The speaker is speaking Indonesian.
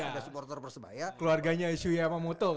ada supporter persebaya keluarganya isu yamamoto